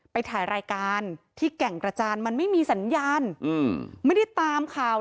ไปถ่ายรายการที่แก่งกระจานมันไม่มีสัญญาณไม่ได้ตามข่าว